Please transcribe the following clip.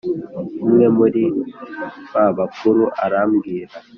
Umwe muri ba bakuru arambwira